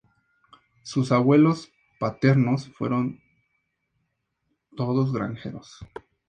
Sus abuelos paternos fueron todos granjeros.